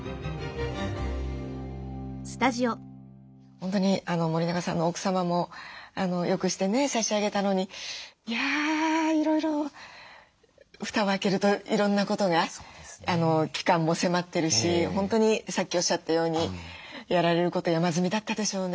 本当に森永さんの奥様もよくしてね差し上げたのにいやいろいろ蓋を開けるといろんなことが期間も迫ってるし本当にさっきおっしゃったようにやられること山積みだったでしょうね。